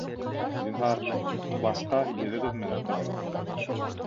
Зинһар, класҡа йөҙөгөҙ менән тороғоҙ